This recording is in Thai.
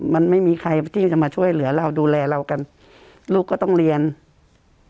มันไม่มีใครที่จะมาช่วยเหลือเราดูแลเรากันลูกก็ต้องเรียน